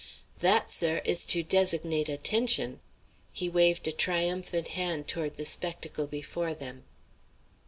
"That, sir, is to designate attention!" He waved a triumphant hand toward the spectacle before them.